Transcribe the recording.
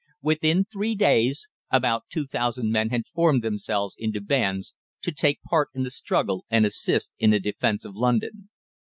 Within three days about two thousand men had formed themselves into bands to take part in the struggle and assist in the defence of London.